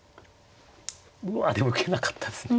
うわでも受けなかったですね。